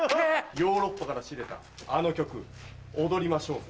ヨーロッパから仕入れたあの曲踊りましょうぞ。